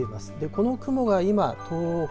この雲が今、東北